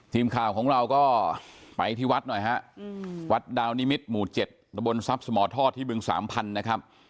ทีมข่าวของเราก็ไปที่วัดหน่อยฮะวัดดาวนิมิตรหมู่๗ตะบนทรัพย์สมทอดที่บึงสามพันธุ์นะครับ